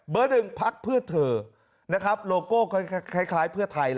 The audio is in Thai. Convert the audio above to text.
เบิด๑พักเพื่อเถอะโลโก้คล้ายเพื่อไทย